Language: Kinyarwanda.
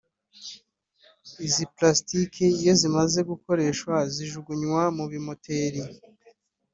Izi plastique iyo zimaze gukoreshwa zijugunywa mu bimpoteri